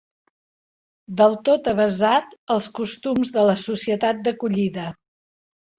Del tot avesat als costums de la societat d'acollida.